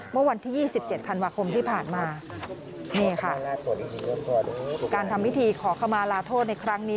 เมื่อวันที่๒๗ธันวาคมที่ผ่านมานี่ค่ะการทำพิธีขอขมาลาโทษในครั้งนี้